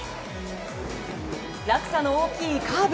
落差の大きいカーブ